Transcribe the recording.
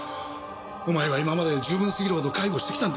お前は今まで十分過ぎるほど介護してきたんだ。